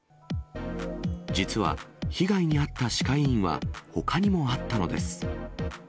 実は、被害に遭った歯科医院はほかにもあったのです。